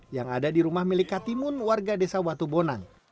yang ada di rumah milik katimun warga desa watubonang